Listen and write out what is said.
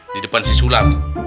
di depan si sulam